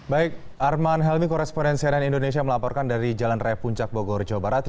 baik arman helmi koresponen cnn indonesia melaporkan dari jalan raya puncak bogor jawa barat